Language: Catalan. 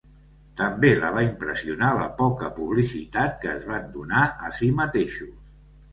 També la va impressionar la poca publicitat que es van donar a si mateixos.